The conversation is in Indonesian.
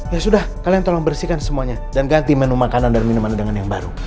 ya sudah kalian tolong bersihkan semuanya dan ganti menu makanan dan minuman undangan yang baru